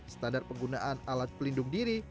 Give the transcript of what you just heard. standar penggunaan alat pelindung diri